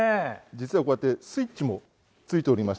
実はこうやってスイッチも付いておりまして